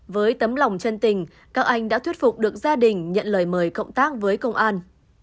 với tấm lòng chân tình các anh đã thuyết phục được gia đình nhận lời mời cộng tác với công an